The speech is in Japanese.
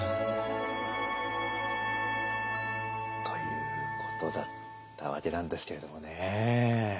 ということだったわけなんですけれどもね。